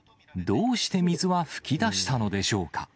どうして水は噴き出したのでしょうか。